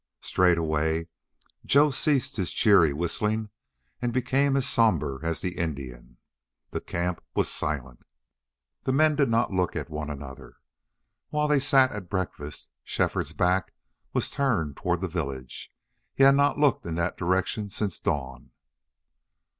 Straightway Joe ceased his cheery whistling and became as somber as the Indian. The camp was silent; the men did not look at one another. While they sat at breakfast Shefford's back was turned toward the village he had not looked in that direction since dawn.